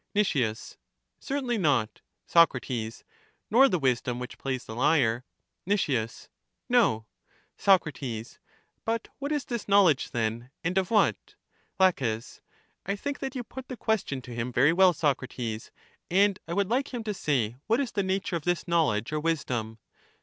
Nic. Certainly not. Soc. Nor the wisdom which plays the lyre? Nic. No. Soc. But what is this knowledge then, and of what ? La. I think that you put the question to him very well, Socrates; and I would like him to say what is the nature of this knowledge or wisdom.